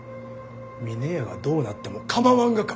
峰屋がどうなっても構わんがか！？